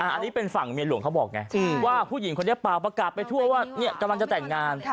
อันนี้เป็นฝั่งเมียหลวงเขาบอกไงว่าผู้หญิงคนนี้เปล่าประกาศไปทั่วว่ากำลังจะแต่งงาน